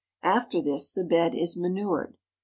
After this the bed is manured.